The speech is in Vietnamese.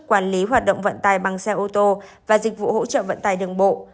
quản lý hoạt động vận tài bằng xe ô tô và dịch vụ hỗ trợ vận tải đường bộ